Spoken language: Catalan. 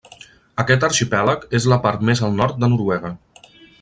Aquest arxipèlag és la part més al nord de Noruega.